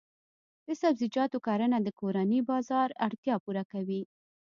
د سبزیجاتو کرنه د کورني بازار اړتیا پوره کوي.